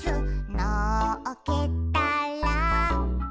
「のっけたら」